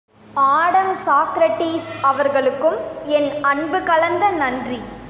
Adam Socrates அவர்களுக்கும் என் அன்பு கலந்த நன்றி.